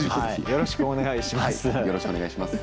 よろしくお願いします。